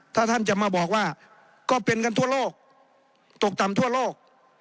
ถ้าท่านจะมาบอกว่าก็เป็นกันทั่วโลกตกต่ำทั่วโลก